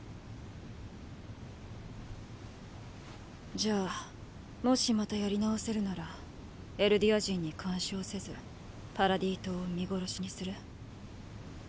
じゃあもしまたやり直せるならエルディア人に干渉せずパラディ島を見殺しにする？